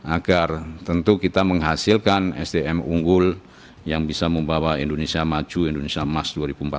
agar tentu kita menghasilkan sdm unggul yang bisa membawa indonesia maju indonesia emas dua ribu empat puluh lima